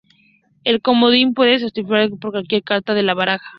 El comodín puede sustituirse por cualquier carta de la baraja.